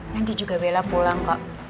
nanti juga bella pulang kok